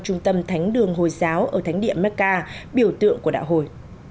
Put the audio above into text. trung tâm thánh đường hồi giáo ở thánh địa mecca biểu tượng của đạo hồi